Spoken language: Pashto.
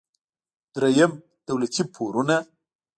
دریم: دولتي پورونه.